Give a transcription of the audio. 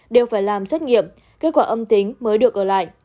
đều phải làm xét nghiệm kết quả âm tính mới được ở lại